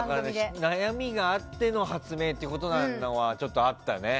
悩みがあっての発明ということなのはあったね。